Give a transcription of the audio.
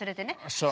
そう。